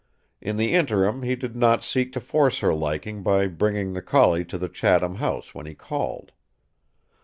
In the interim he did not seek to force her liking by bringing the collie to the Chatham house when he called.